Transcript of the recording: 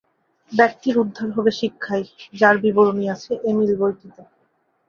ব্যক্তির উদ্ধার হবে শিক্ষায়, যার বিবরণী আছে "এমিল" বইটিতে।